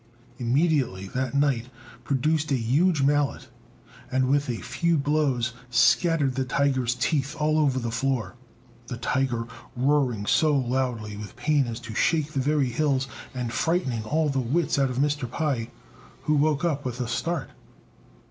Immediately that knight produced a huge mallet, and, with a few blows, scattered the tiger's teeth all over the floor, the tiger roaring so loudly with pain as to shake the very hills, and frightening all the wits out of Mr. Pai who woke up with a start.